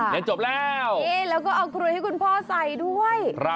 และจบแล้วเราก็ออกปรวนให้คุณพ่อใส่ด้วย